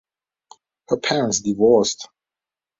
Her parents divorced.